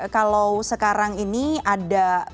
kalau sekarang ini ada